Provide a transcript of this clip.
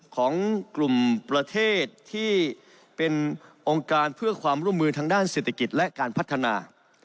ของกลุ่มประเทศที่เป็นองค์การเพื่อความร่วมมือทางด้านเศรษฐกิจและการพัฒนา